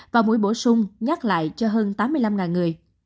và mũi bổ sung nhắc lại cho hơn tám mươi năm người